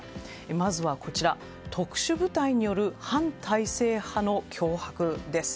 まず、特殊部隊による反体制派の脅迫です。